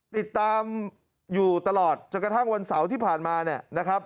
ติดตามอยู่ตลอดจนกระทั่งวันเสาร์ที่ผ่านมาเนี่ยนะครับ